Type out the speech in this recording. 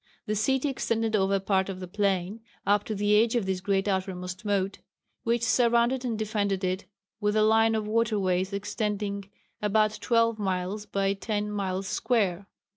The city extended over part of the plain, up to the edge of this great outermost moat, which surrounded and defended it with a line of waterways extending about twelve miles by ten miles square.